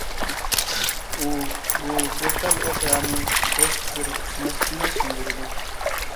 ئۇ بۇ بىر تال ئوقيانى ھېچ بىر كۈچىمەستىنلا سۇندۇرىدۇ.